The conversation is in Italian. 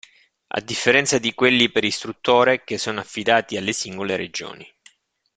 A differenza di quelli per istruttore che sono affidati alle singole regioni.